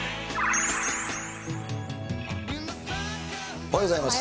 おはようございます。